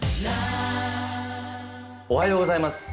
おはようございます。